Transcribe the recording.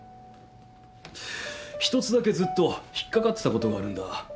１つだけずっと引っ掛かってたことがあるんだ